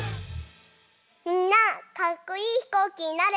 みんなかっこいいひこうきになれた？